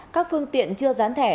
các phương tiện chưa gián thẻ